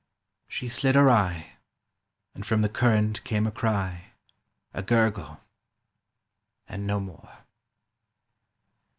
She slid awry; And from the current came a cry, A gurgle; and no more.